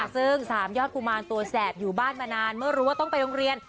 ซึ่งสามยอดกุมารตัวแสบอยู่บ้านมานานเมื่อรู้ว่าต้องไปโรงเรียน